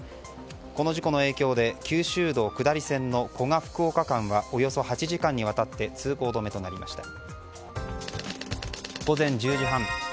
この事故の影響で九州道下り線の古賀福岡間はおよそ８時間にわたって通行止めとなりました。